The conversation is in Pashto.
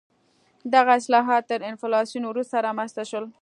دغه اصلاحات تر انفلاسیون وروسته رامنځته شول.